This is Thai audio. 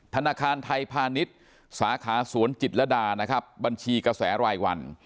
ธนาคารไทยพาณิชย์สาขาสวนจิตรดานะครับบัญชีกระแสรายวัน